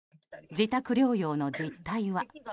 自宅療養の実態は。